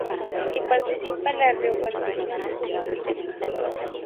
Y participa en la reorganización de su Biblioteca.